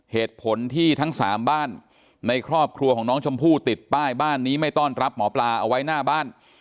เหตุผลที่ทั้งสามบ้านในครอบครัวของน้องชมพู่ติดป้ายบ้านนี้ไม่ต้อนรับหมอปลาเอาไว้หน้าบ้าน